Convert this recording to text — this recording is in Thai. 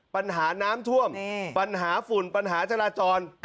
ปัญหาน้ำท่วมปัญหาฝุ่นปัญหาจราจร